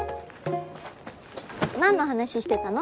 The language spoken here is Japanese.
・何の話してたの？